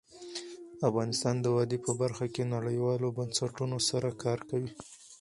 افغانستان د وادي په برخه کې نړیوالو بنسټونو سره کار کوي.